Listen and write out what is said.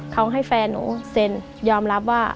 เขาให้แฟนหนูเซ็นยอมรับว่า